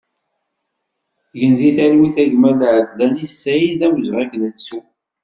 Gen di talwit a gma Laadlani Saïd, d awezɣi ad k-nettu!